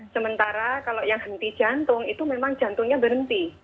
sementara kalau yang henti jantung itu memang jantungnya berhenti